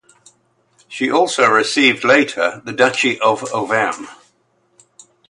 She also received later the Duchy of Auvergne.